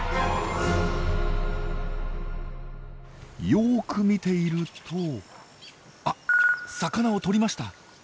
よく見ているとあっ魚をとりました！